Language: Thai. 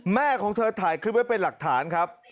แม่ของเธอถ่ายคลิปไว้เป็นหลักฐานครับ